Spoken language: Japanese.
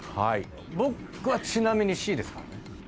僕はちなみにＣですからね。